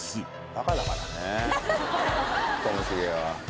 バカだからねともしげは。